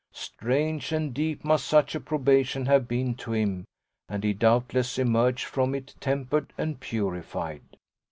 Strange and deep must such a probation have been to him, and he doubtless emerged from it tempered and purified.